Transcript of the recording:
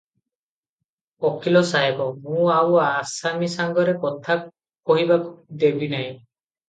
ଓକିଲ ସାହେବ, ମୁଁ ଆଉ ଆସାମୀ ସାଙ୍ଗରେ କଥା କହିବାକୁ ଦେବି ନାହିଁ ।